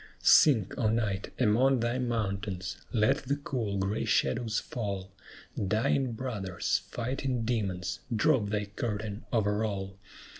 Sink, O Night, among thy mountains! let the cool, gray shadows fall; Dying brothers, fighting demons, drop thy curtain over all!